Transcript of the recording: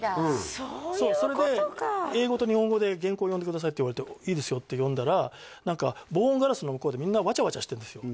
うんそうそれで「英語と日本語で原稿読んでください」って言われて「いいですよ」って読んだら何か防音ガラスの向こうでみんなワチャワチャしてるんですよ